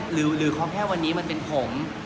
หรือเขาแค่วันนี้มันเป็นผม